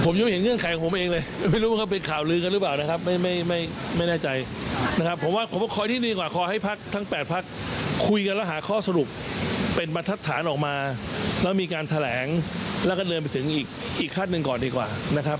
มันเป็นบรรทัดฐานออกมาแล้วมีการแถลงและก็เดินไปถึงอีกคลาดหนึ่งก่อนดีกว่านะครับ